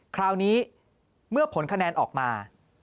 คราวนี้เมื่อผลคะแนนออกมา